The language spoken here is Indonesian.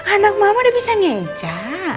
anak mama udah bisa ngeca